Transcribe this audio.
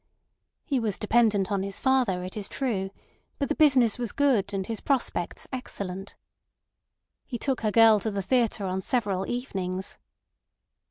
He was dependent on his father, it is true; but the business was good, and his prospects excellent. He took her girl to the theatre on several evenings.